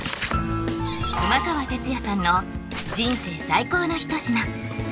熊川哲也さんの人生最高の一品